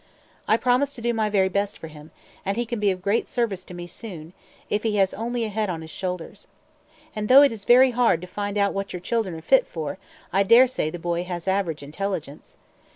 I promise to do my very best for him, and he can be of great service to me very soon, if he has only a head on his shoulders. And though it is very hard to find out what your children are fit for, I dare say the boy has average intelligence."